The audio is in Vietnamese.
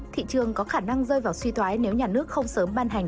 thị trường có khả năng rơi vào suy thoái nếu nhà nước không sớm ban hành